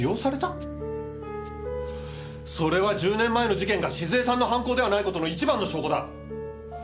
それは１０年前の事件が静江さんの犯行ではない事の一番の証拠だ。